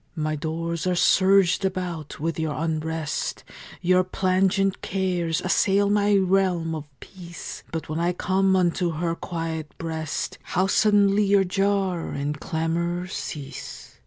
My doors are surged about with your unrest; Your plangent cares assail my realm of peace; But when I come unto her quiet breast How suddenly your jar and clamor cease!